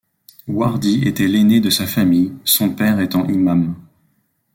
Ouardi était l'aîné de sa famille, son père étant imam.